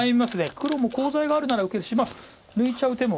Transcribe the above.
黒もコウ材があるなら受けるし抜いちゃう手も。